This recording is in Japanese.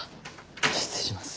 失礼します。